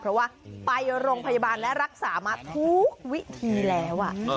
เพราะว่าไปโรงพยาบาลและรักษามาทุกวิธีแล้ว